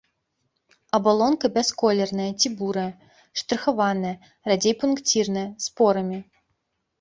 Абалонка бясколерная ці бурая, штрыхаваная, радзей пункцірная, з порамі.